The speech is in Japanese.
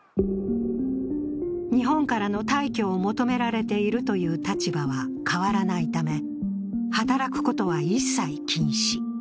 日本からの退去を求められているという立場は変わらないため働くことは一切禁止。